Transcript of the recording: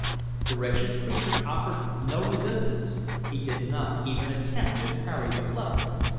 The wretched creature offered no resistance; he did not even attempt to parry the blow.